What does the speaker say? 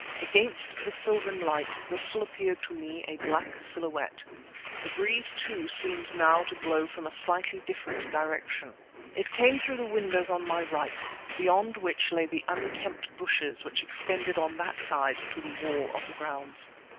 Against the silvern light, Bristol appeared to me in black silhouette. The breeze, too, seemed now to blow from a slightly different direction. It came through the windows on my right, beyond which lay the unkempt bushes which extended on that side to the wall of the grounds.